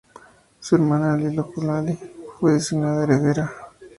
Su hermana Liliuokalani fue designada heredera.